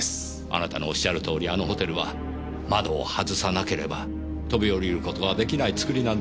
あなたのおっしゃるとおりあのホテルは窓を外さなければ飛び降りることはできない造りなんですよ。